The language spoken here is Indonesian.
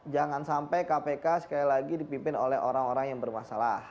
jangan sampai kpk sekali lagi dipimpin oleh orang orang yang bermasalah